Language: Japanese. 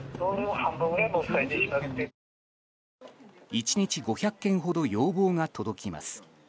１日５００件ほど要望が届きます。